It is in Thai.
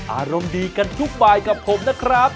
อารมณ์ดีกันทุกบายกับผมนะครับ